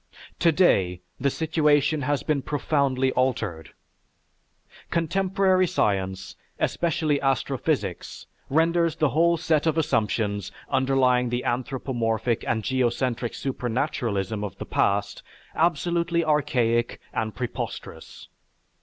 Today the situation has been profoundly altered. Contemporary science, especially astrophysics, renders the whole set of assumptions underlying the anthropomorphic and geocentric supernaturalism of the past absolutely archaic and preposterous.